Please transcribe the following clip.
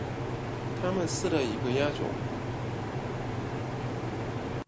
它们是的一个亚种。